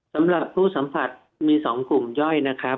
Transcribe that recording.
สำหรับผู้สัมผัสมี๒กลุ่มย่อยนะครับ